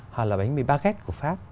hoặc là bánh mì baguette của pháp